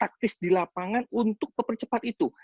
dan kita juga taktis di lapangan untuk pepercepat itu